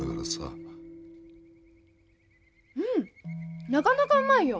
うんなかなかうまいよ。